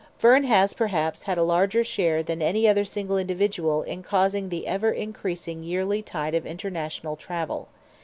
Verne has perhaps had a larger share than any other single individual in causing the ever increasing yearly tide of international travel.